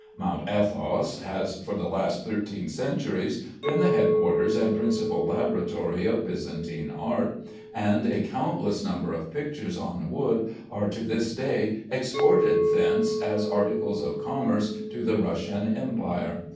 Mount Athos has for the last thirteen centuries been the headquarters and principal laboratory of Byzantine art, and a countless number of pictures on wood are to this day exported thence as articles of commerce to the Russian Empire.